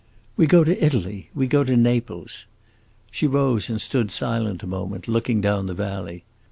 "We go to Italy we go to Naples." She rose and stood silent a moment, looking down the valley.